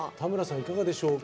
いかがでしょうか？